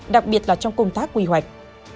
đặc biệt là trong công tác quy hoạch